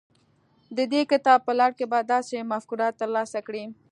د دې کتاب په لړ کې به داسې مفکوره ترلاسه کړئ.